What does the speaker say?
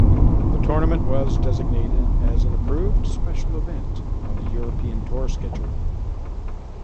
The tournament was designated as an "Approved Special Event" on the European Tour schedule.